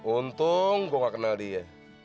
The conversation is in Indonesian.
untung gue gak kenal dia